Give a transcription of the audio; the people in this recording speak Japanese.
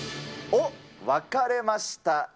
おっ、分かれました。